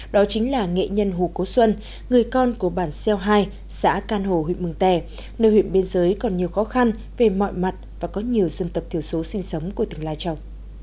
đó chính là nghệ nhân hù cố xuân người con của bản xeo hai xã can hồ huyện mường tè nơi huyện biên giới còn nhiều khó khăn về mọi mặt và có nhiều dân tộc thiểu số sinh sống của tương lai trồng